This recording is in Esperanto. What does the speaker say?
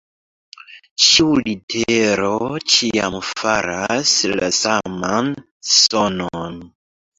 Ĉiu litero ĉiam faras la saman sonon.